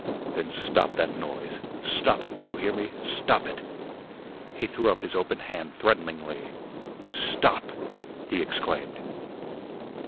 "Then stop that noise. Stop it, do you hear me? Stop it." He threw up his open hand threateningly. "STOP!" he exclaimed.